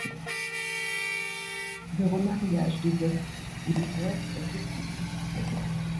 Le remariage des veufs ou des veuves est possible.